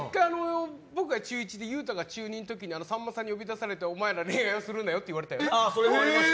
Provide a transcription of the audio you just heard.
僕が中１で裕太が中２の時にさんまさんに呼び出されてお前ら恋愛するなよって言われたよね。